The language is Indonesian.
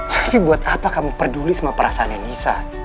tapi buat apa kamu peduli sama perasaannya nisa